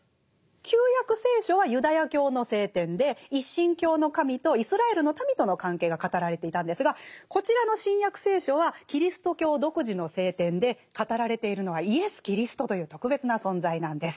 「旧約聖書」はユダヤ教の聖典で一神教の神とイスラエルの民との関係が語られていたんですがこちらの「新約聖書」はキリスト教独自の聖典で語られているのはイエス・キリストという特別な存在なんです。